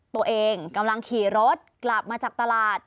ตัวเองกำลังขี่รถกลับมาจากตลาด